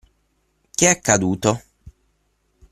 Che è accaduto?